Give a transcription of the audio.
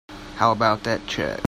How about that check?